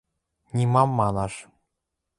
Нимам манаш.